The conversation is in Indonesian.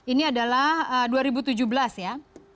ini adalah dua ribu tujuh belas ya